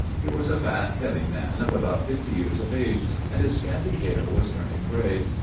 He was a fat, heavy man of about fifty years of age, and his scanty hair was turning grey.